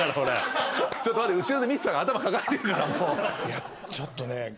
いやちょっとね彼。